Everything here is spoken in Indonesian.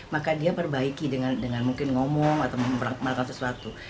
maka dia perbaiki dengan mungkin ngomong atau melakukan sesuatu